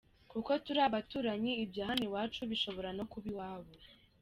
Kuko turi abaturanyi, ibya hano iwacu bishobora no kuba iwabo.